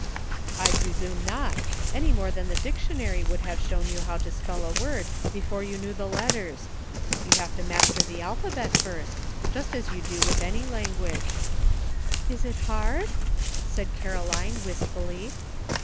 '' I presume not, any more than the dictionary would have shown you how to spell a word be fore you knew your letters. You have to mas ter the alphabet first, just as you do with any language." *' Is it hard? " asked Caroline wistfully.